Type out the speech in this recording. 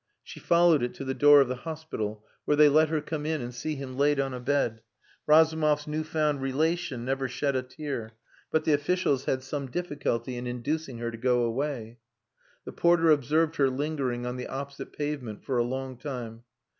She followed it to the door of the hospital, where they let her come in and see him laid on a bed. Razumov's new found relation never shed a tear, but the officials had some difficulty in inducing her to go away. The porter observed her lingering on the opposite pavement for a long time.